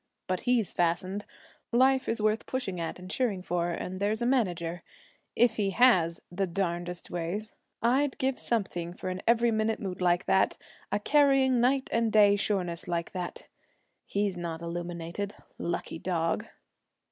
But he's fastened. Life is worth pushing at and cheering for and there's a manager, if he has "the darnedest ways." I'd give something for an every minute mood like that a carrying night and day sureness like that. He's not illuminated lucky dog!'